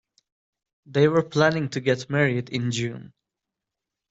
They were planning to get married in June.